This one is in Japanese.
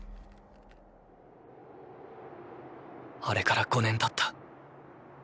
あれから５年たった。